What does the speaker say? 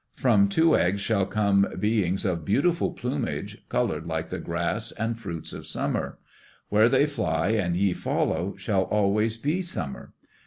From two eggs shall come beings of beautiful plumage, colored like the grass and fruits of summer. Where they fly and ye follow, shall always be summer.